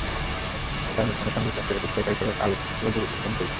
তাই মরিসনের সঙ্গে ইব্রাহিমকে রেখে স্ট্রাইকার হিসেবে কালও জুড়ে দিয়েছেন তৌহিদকে।